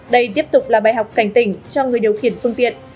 đây tiếp tục là bài học cảnh tỉnh cho người điều khiển phương tiện